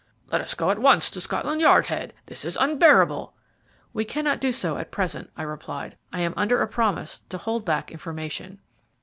"Let us go at once to Scotland Yard, Head. This is unbearable!" "We cannot do so at present," I replied. "I am under a promise to hold back information."